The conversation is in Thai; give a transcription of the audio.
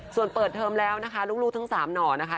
ส่วนเปิดเทอมแล้วนะคะลูกทั้ง๓หน่อนะคะ